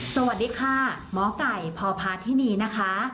สวัสดีค่ะหมอไก่พพาธินีนะคะ